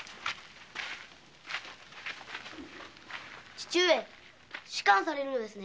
父上仕官されるのですね？